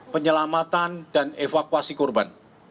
penyelamatan dan evakuasi kurban